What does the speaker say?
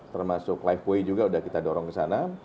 termasuk lifebuoy juga sudah kita dorong ke sana